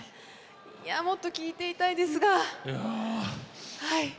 もっと聴いていたいですが。